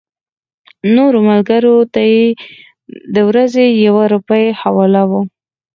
نورو ملګرو ته یې د ورځې یوه روپۍ حواله وه.